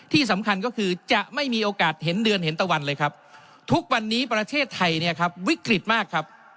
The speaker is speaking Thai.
ที่สำคัญก็คือจะไม่มีโอกาสเห็นเดือนเห็นตะวันเลยครับทุกวันนี้ประเทศไทยเนี่ยครับวิกฤตมากครับ